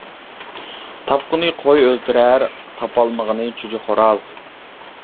تاپقىنى قوي ئۆلتۈرەر، تاپالمىغىنى چۈجە خوراز.